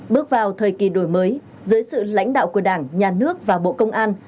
bước vào thời kỳ đổi mới dưới sự lãnh đạo của đảng nhà nước và bộ công an